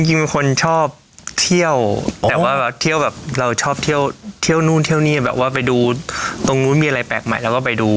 จริงเป็นคนชอบเที่ยวแต่ว่าเที่ยวแบบเราชอบเที่ยวเที่ยวนู่นเที่ยวนี่แบบว่าไปดูตรงนู้นมีอะไรแปลกใหม่เราก็ไปดู